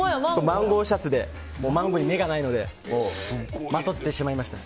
マンゴーに目がないのでまとってしまいました。